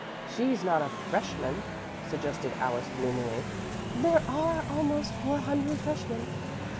"She's not a freshman," suggested Alice gloomily. "There are almost four hundred freshmen.